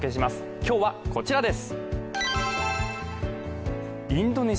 今日はこちらです。